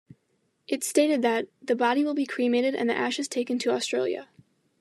It stated that: The body will be cremated and the ashes taken to Australia.